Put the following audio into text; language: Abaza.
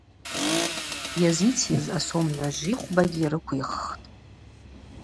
Йазитйыз асом гӏважвихвбагьи рыквиххтӏ.